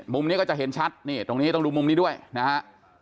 มุมนี้ก็จะเห็นชัดนี่ตรงนี้ต้องดูมุมนี้ด้วยนะฮะ